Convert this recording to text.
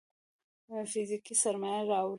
فزيکي سرمايه راوړي.